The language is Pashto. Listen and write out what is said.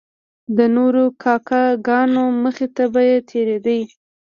د نورو کاکه ګانو مخې ته به تیریدی.